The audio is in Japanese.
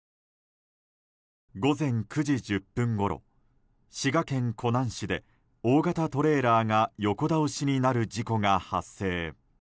午前９時１０分ごろ滋賀県湖南市で大型トレーラーが横倒しになる事故が発生。